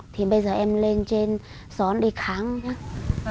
thì bây giờ em lên trên xó đi kháng nhé